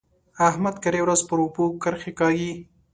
احمد کرۍ ورځ پر اوبو کرښې کاږي.